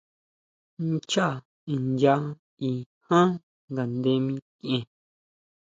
Nchaá nya í jan ngaʼnde mikʼien.